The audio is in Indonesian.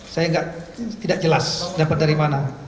saya tidak jelas dapat dari mana